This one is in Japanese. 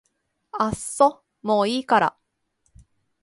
あっそもういいから